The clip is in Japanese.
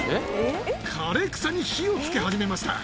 枯草に火をつけ始めました。